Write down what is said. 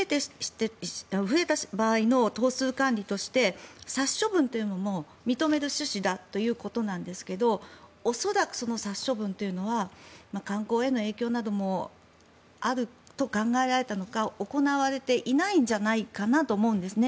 増えた場合の頭数管理として殺処分というのも認める趣旨だということなんですが恐らくその殺処分というのは観光への影響などもあると考えられたのか行われていないんじゃないかなと思うんですね。